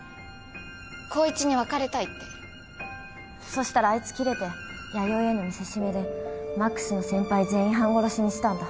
そしたらあいつキレて弥生への見せしめで魔苦須の先輩全員半殺しにしたんだ。